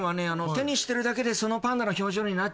手にしてるだけでそのパンダの表情になっちゃう。